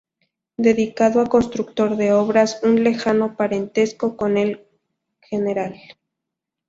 Dedicado a constructor de obras, un lejano parentesco con el Gral.